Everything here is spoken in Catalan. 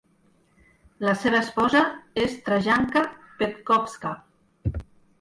La seva esposa es Trajanka Petkovska.